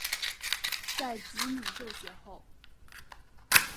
在子女就学后